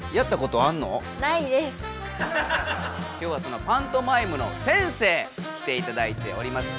今日はそのパントマイムの先生来ていただいております。